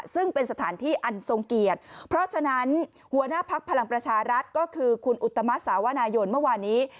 ซึ่งเป็นสถานที่อันทรงเกียรติเพราะฉะนั้นหัวหน้าพักพลังประชารัฐก็คือคุณอุตมะสาวนายนเมื่อวานนี้